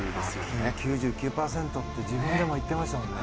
９９％って自分でも言っていましたから。